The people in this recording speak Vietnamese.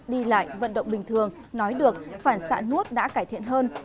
đi lại vận động bình thường nói được phản xạ nuốt đã cải thiện hơn